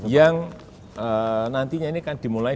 yang nantinya ini akan dimulai